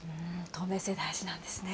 透明性、大事なんですね。